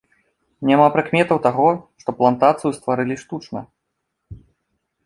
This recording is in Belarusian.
Няма прыкметаў таго, што плантацыю стварылі штучна.